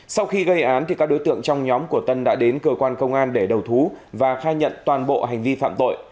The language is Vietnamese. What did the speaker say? sau khi gây án các đối tượng trong nhóm của tân đã đến cơ quan công an để đầu thú và khai nhận toàn bộ hành vi phạm tội